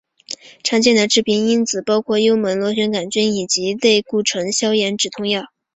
常见的致病因子包括幽门螺旋杆菌以及非类固醇消炎止痛药。